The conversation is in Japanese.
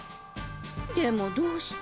でもどうして？